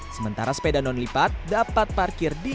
sementara sepeda non lipat dapat parkir di lrt jabodebek